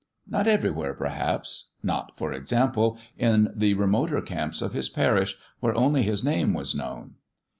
Not everywhere, perhaps : not, for example, in the remoter camps of his parish, where only his name was known.